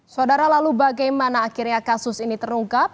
saudara lalu bagaimana akhirnya kasus ini terungkap